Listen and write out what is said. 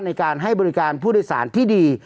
ในการให้บริการผู้โดยสารที่ดี